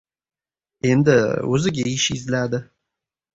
Endi, o‘ziga ish izladi.